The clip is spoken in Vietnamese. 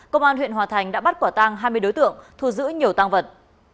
công an huyện hòa thành đã bắt quả tang hai mươi đối tượng thu giữ nhiều tăng vật